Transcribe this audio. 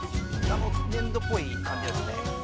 粘土っぽい感じですね。